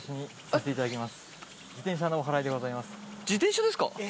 自転車ですか？